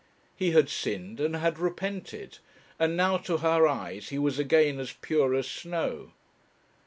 He had sinned, and had repented; and now to her eyes he was again as pure as snow.